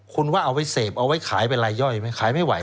คุณว่าเอาไว้เสพเอาไว้ขายเป็นรายย่อยไหมขายไม่ไหว